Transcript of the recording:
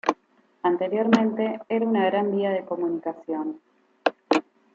Anteriormente era una gran vía de comunicación.